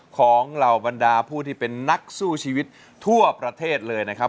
เหล่าบรรดาผู้ที่เป็นนักสู้ชีวิตทั่วประเทศเลยนะครับ